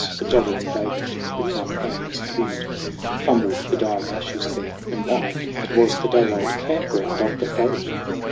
A doddering vagrant with numb hands, the Wind Fumbled the dying ashes there, and whined. It was the day old camp ground of the foe